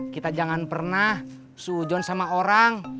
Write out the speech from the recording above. kita jangan pernah sujon sama orang